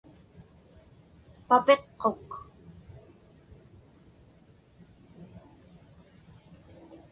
papiqquk